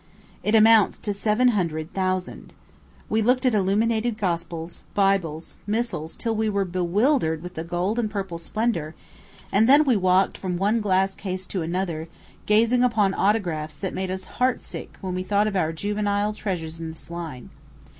It amounts to seven hundred thousand. We looked at illuminated gospels, Bibles, missals, till we were bewildered with the gold and purple splendor; and then we walked from one glass case to another, gazing upon autographs that made us heart sick when we thought of our juvenile treasures in this line.